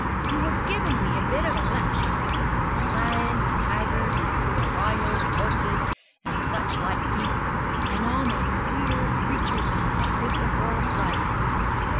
He wor givin' we a bit of a lecture loike, on lions and tigers, and ryenosed horses, and such loike beasts, and on they queer creatures wot lived before the flood.